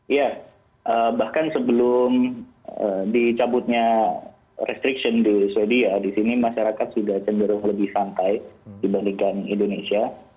ya bahkan sebelum dicabutnya restriction di sweden di sini masyarakat sudah cenderung lebih santai dibandingkan indonesia